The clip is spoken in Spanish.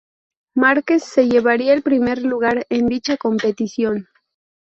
Márquez se llevaría el primer lugar en dicha competición.